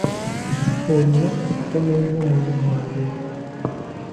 Olina okusoma ennyo mwana wange.